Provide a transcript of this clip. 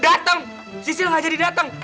dateng sisil gak jadi dateng